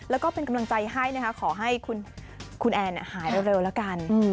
แล้วก็เป็นกำลังใจให้นะคะขอให้คุณแอนหายเร็วแล้วกัน